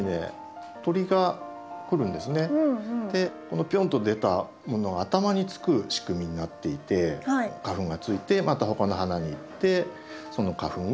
このピョンと出たものが頭につく仕組みになっていて花粉がついてまた他の花に行ってその花粉を雌しべにつけるというような。